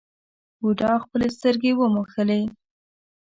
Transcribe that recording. بوډا خپلې سترګې وموښلې.